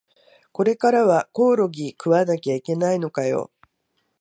これからはコオロギ食わなきゃいけないのかよ